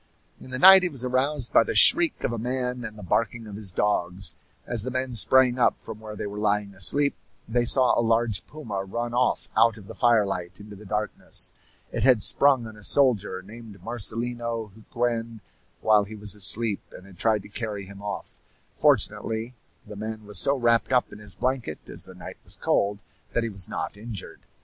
In the night he was aroused by the shriek of a man and the barking of his dogs. As the men sprang up from where they were lying asleep they saw a large puma run off out of the firelight into the darkness. It had sprung on a soldier named Marcelino Huquen while he was asleep, and had tried to carry him off. Fortunately, the man was so wrapped up in his blanket, as the night was cold, that he was not injured.